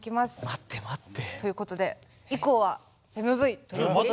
待って待って。ということで以降はＭＶということで。